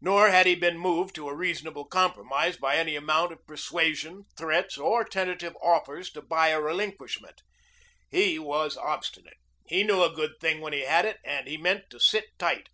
Nor had he been moved to a reasonable compromise by any amount of persuasion, threats, or tentative offers to buy a relinquishment. He was obstinate. He knew a good thing when he had it, and he meant to sit tight.